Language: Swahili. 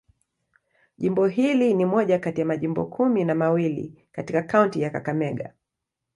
Jimbo hili ni moja kati ya majimbo kumi na mawili katika kaunti ya Kakamega.